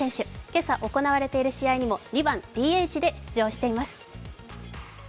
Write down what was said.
今朝行われている試合でも２番・ＤＨで出場しています。